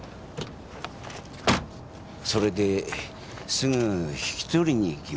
それですぐ引き取りに行きました。